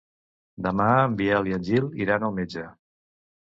Demà en Biel i en Gil iran al metge.